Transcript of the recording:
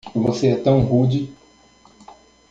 Você é tão rude!